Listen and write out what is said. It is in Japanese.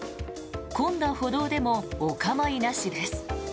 混んだ歩道でもお構いなしです。